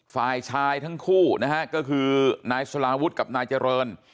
ฝ่ายชายทั้งคู่นะฮะก็คือนายสลาวุฒิกับนายเจริญ